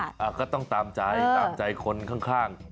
อ่าก็ต้องตามใจตามใจคนข้าง